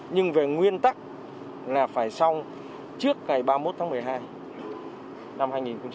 nhưng về nguyên tắc là phải xong trước ngày ba mươi một tháng một mươi hai năm hai nghìn một mươi chín